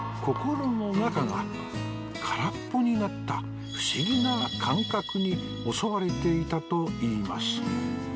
心の中が空っぽになった不思議な感覚に襲われていたといいます